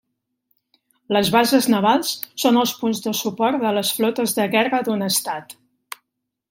Les bases navals són els punts de suport de les flotes de guerra d'un estat.